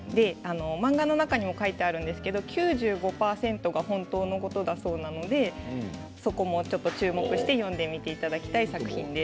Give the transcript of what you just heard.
漫画の中にも書いてあるんですけど９５％が本当のことだそうなのでそこも注目して読んでみていただきたい作品です。